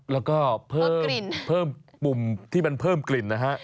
แล้วก็เพิ่มปุ่มที่มันเพิ่มกลิ่นนะฮะ